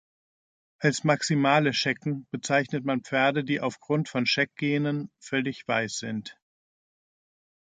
Als Maximale Schecken bezeichnet man Pferde, die aufgrund von Scheck-Genen völlig weiß sind.